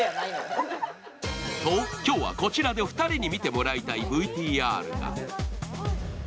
と、今日はこちらで２人に見てもらいたいＶＴＲが。